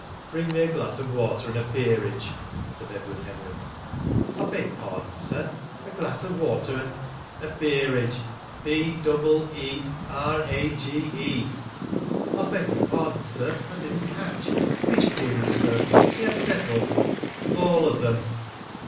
"Bring me a glass of water and a peerage," said Edward Henry. "I beg pardon, sir. A glass of water and " "A peerage. P double e r a g e." "I beg your pardon, sir. I didn't catch. Which peerage, sir? We have several." "All of them."